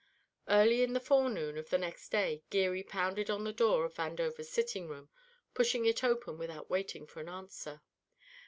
Early in the forenoon of the next day Geary pounded on the door of Vandover's sitting room, pushing it open without waiting for an answer.